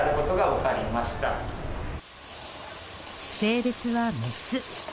性別は、メス。